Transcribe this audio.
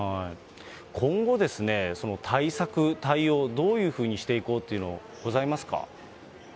今後、その対策、対応、どういうふうにしていこうというのございますか。